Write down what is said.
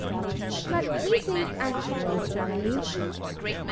But he says afterwards, indeed, 29.